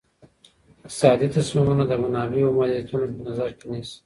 اقتصادي تصمیمونه د منابعو محدودیتونه په نظر کې نیسي.